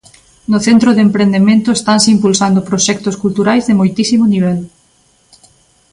No centro de emprendemento estanse impulsando proxectos culturais de moitísimo nivel.